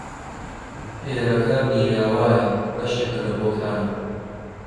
ئێرەکە میراوایە بەشێکە لە بۆکانە